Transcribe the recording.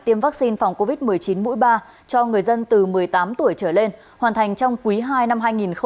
tiêm vaccine phòng covid một mươi chín mũi ba cho người dân từ một mươi tám tuổi trở lên hoàn thành trong quý ii năm hai nghìn hai mươi